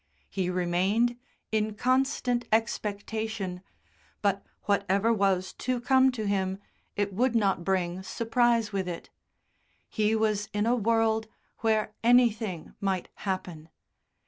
He remained in constant expectation, but whatever was to come to him it would not bring surprise with it. He was in a world where anything might happen.